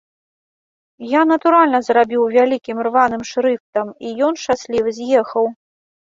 Я, натуральна, зрабіў вялікім рваным шрыфтам, і ён, шчаслівы, з'ехаў.